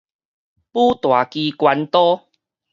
舞大支關刀